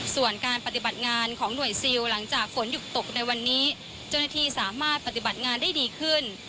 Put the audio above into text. ส่วนการปฏิบัติงานของหน่วยซิลหลังจากฝนหยุดตกในวันนี้เจ้าหน้าที่สามารถปฏิบัติงานได้ดีขึ้น